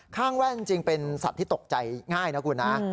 แว่นจริงเป็นสัตว์ที่ตกใจง่ายนะคุณนะ